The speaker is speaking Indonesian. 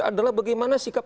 adalah bagaimana sikap